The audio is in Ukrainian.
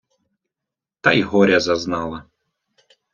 Та й горя зазнала